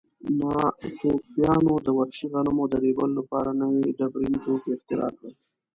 ناتوفیانو د وحشي غنمو د ریبلو لپاره نوي ډبرین توکي اختراع کړل.